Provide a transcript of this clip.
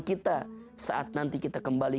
kita saat nanti kita kembali